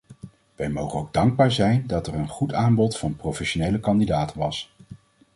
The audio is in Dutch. Wij mogen ook dankbaar zijn dat er een goed aanbod van professionele kandidaten was.